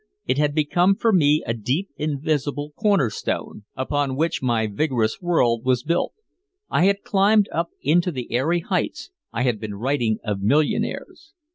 It had become for me a deep invisible corner stone upon which my vigorous world was built. I had climbed up into the airy heights, I had been writing of millionaires.